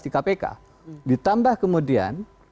di kpk ditambah kemudian